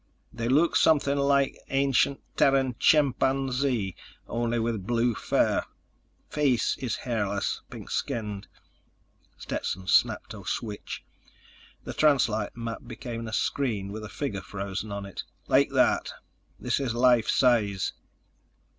They look something like an ancient Terran chimpanzee ... only with blue fur. Face is hairless, pink skinned." Stetson snapped a switch. The translite map became a screen with a figure frozen on it. "Like that. This is life size."